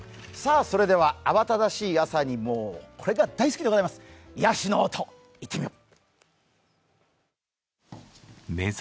それでは慌ただしい朝に、これが大好きでございます、癒やしの音、いってみよう。